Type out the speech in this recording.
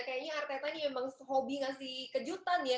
kayaknya arteta ini memang hobi ngasih kejutan ya